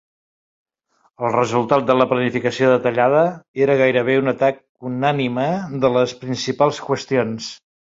El resultat de la planificació detallada era gairebé un atac unànime de les principals qüestions.